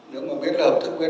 nếu mà biết là hợp thức